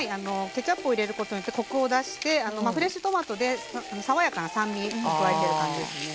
ケチャップを入れることによってコクを出してフレッシュトマトで爽やかな酸味を加えてる感じですね。